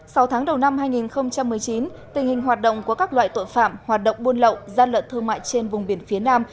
sau tháng đầu năm hai nghìn một mươi chín tình hình hoạt động của các loại tội phạm hoạt động buôn lậu gian lận thương mại trên vùng biển phía nam